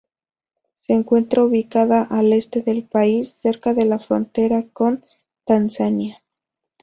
Se encuentra ubicada al este del país, cerca de la frontera con Tanzania.